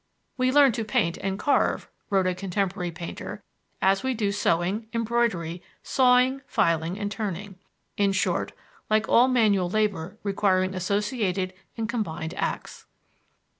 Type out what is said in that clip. "We learn to paint and carve," wrote a contemporary painter, "as we do sewing, embroidery, sawing, filing and turning." In short, like all manual labor requiring associated and combined acts.